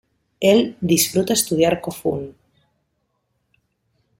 Él disfruta estudiar Kofun.